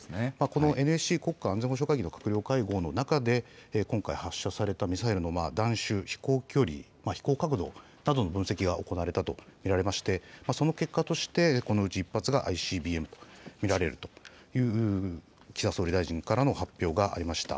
このＮＳＣ・国家安全保障会議の閣僚会合の中で、今回、発射されたミサイルの弾しゅう、飛行距離、飛行角度などの分析が行われたと見られまして、その結果として、このうち１発がＩＣＢＭと見られるという岸田総理大臣からの発表がありました。